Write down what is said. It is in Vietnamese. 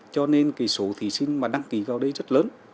cho nên cái số thí sinh mà đăng ký vào đây rất lớn